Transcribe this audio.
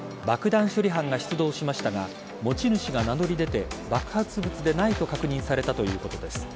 爆弾処理班が出動しましたが持ち主が名乗り出て爆発物でないと確認されたということです。